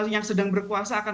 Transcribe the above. yang sedang berkuasa akan